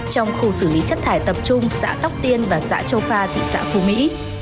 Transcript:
trong khu xử lý chất thải tập trung xã tóc tiên và xã châu pha thị xã phú mỹ